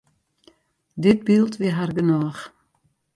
Dit byld wie har genôch.